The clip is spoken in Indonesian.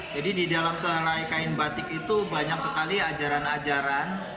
jadi di dalam selai kain batik itu banyak sekali ajaran ajaran